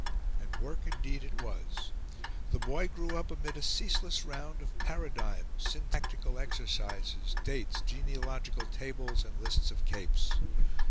And work indeed it was. The boy grew up amid a ceaseless round of paradigms, syntactical exercises, dates, genealogical tables, and lists of capes.